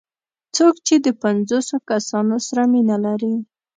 څوک چې د پنځوسو کسانو سره مینه لري.